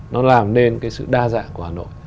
nó làm nên cái sự đa dạng của hà nội